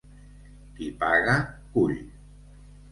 Qui paga, cull.